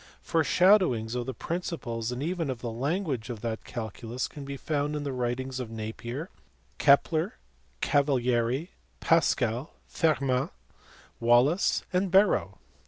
Foreshado wings of the principles and even of the language of that calculus can be found in the writings of Napier, Kepler, Cavalieri, Pascal, Fermat, Wallis, and Barrow.